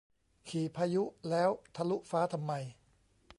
ขี่พายุแล้วทะลุฟ้าทำไม